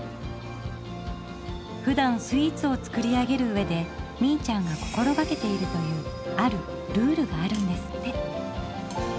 ふだんスイーツを作り上げる上でみいちゃんが心がけているというあるルールがあるんですって！